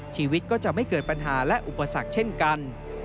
ชีวิตก็จะไม่เกิดปัญหาและอุปสรรคเช่นกัน